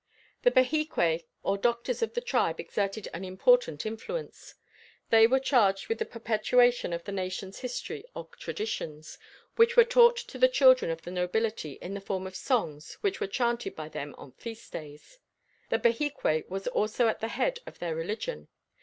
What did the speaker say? The Behique or doctors of the tribe exerted an important influence. They were charged with the perpetuation of the nations history or traditions, which were taught to the children of the nobility in the form of songs which were chanted by them on feast days. The Behique was also at the head of their religion.